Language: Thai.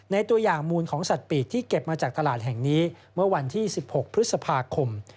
ตัวอย่างมูลของสัตว์ปีกที่เก็บมาจากตลาดแห่งนี้เมื่อวันที่๑๖พฤษภาคม